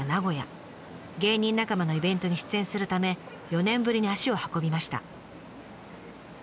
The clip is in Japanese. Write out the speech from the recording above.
芸人仲間のイベントに出演するため４年ぶりに足を運びました。